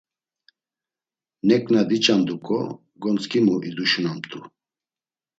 Neǩna diç̌anduǩo, gontzǩimu iduşunamt̆u.